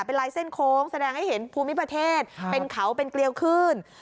เป็นลายเส้นโค้งแสดงให้เห็นภูมิประเทศเป็นเขาเป็นเกลียวขึ้น